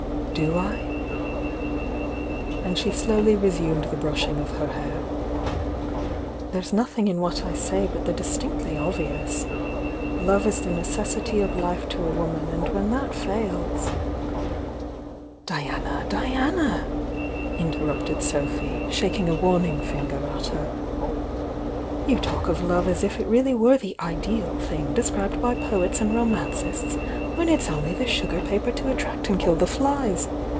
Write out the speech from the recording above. "Do I?" and she slowly resumed the brushing of her hair. "There's nothing in what I say but the distinctly obvious. Love is the necessity of life to a woman, and when that fails " "Diana, Diana!" interrupted Sophy, shaking a warning finger at her — "you talk of love as if it really were the 'ideal' thing described by poets and romancists, when it's only the sugar paper to at tract and kill the flies!